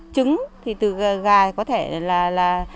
trứng thì từ gà có thể là